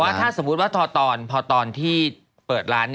ถ้าสมมุติว่าพอตอนที่เปิดร้าน